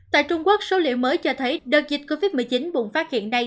tại trung quốc số liệu mới cho thấy đợt dịch covid một mươi chín bùng phát hiện nay